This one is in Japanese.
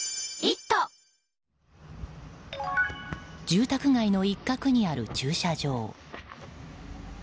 住宅街の一角にある駐車場。